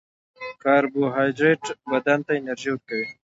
کاربوهایډریټ بدن ته انرژي ورکوي